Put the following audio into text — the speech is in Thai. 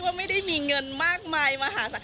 ไม่ได้มีเงินมากมายมหาศาล